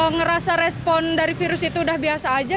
ngerasa respon dari virus itu udah biasa aja